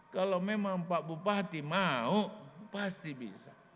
kalau memang pak bupati mau pasti bisa